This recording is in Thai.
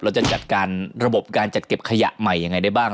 จะจัดการระบบการจัดเก็บขยะใหม่ยังไงได้บ้าง